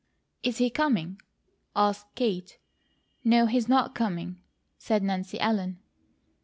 "Is he coming?" asked Kate. "No, he's not coming," said Nancy Ellen.